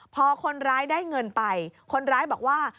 พอคนร้ายได้เงินไปคนร้ายบอกว่า